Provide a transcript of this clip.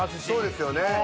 そうですよね。